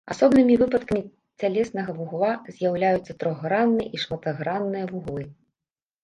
Асобнымі выпадкамі цялеснага вугла з'яўляюцца трохгранныя і шматгранныя вуглы.